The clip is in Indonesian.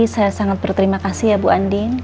saya sangat berterima kasih ya bu andin